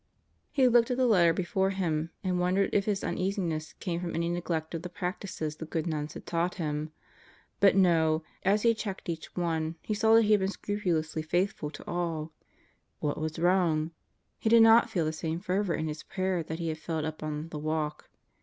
He looked at the letter before him and wondered if his un easiness came from any neglect of the practices the good nuns had taught him. But no, as he checked each one he saw that he had been scrupulously faithful to all. What was wrong? He did not feel the same fervor in his prayer that he had felt up on "the walk."